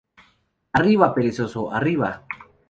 ¡ arriba, perezoso!... ¡ arriba!